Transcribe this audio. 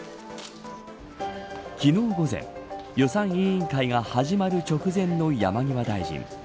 昨日午前予算委員会が始まる直前の山際大臣。